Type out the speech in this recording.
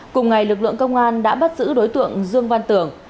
cùng ngày lực lượng công an đã bắt giữ đối tượng dương văn tưởng